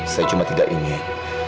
saya cuma tidak ingin